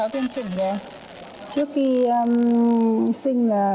trước khi sinh